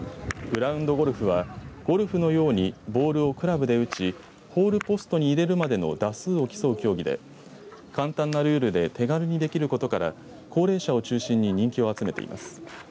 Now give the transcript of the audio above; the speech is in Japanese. グラウンド・ゴルフはゴルフのようにボールをクラブで打ちホールポストに入れるまでの打数を競う競技で簡単なルールで手軽にできることから高齢者を中心に人気を集めています。